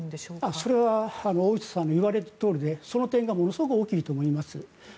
それは大下さんの言われるとおりでその点がものすごく大きいと思います。